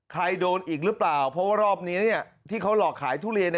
ใครโดนอีกหรือเปล่าเพราะว่ารอบนี้ที่เขาหลอกขายทุเรียน